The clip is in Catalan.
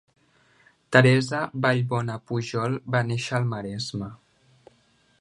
Teresa Vallbona Pujol va néixer al Maresme.